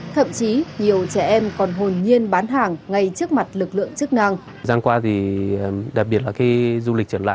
thậm chí nhiều trẻ em còn hồn nhiên bán hàng ngay trước mặt lực lượng chức năng